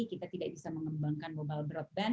kita tidak bisa mengembangkan mobile broadband